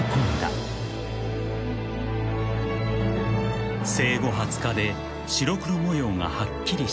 ［生後２０日で白黒模様がはっきりしだし］